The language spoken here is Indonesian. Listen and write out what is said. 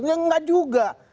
ya enggak juga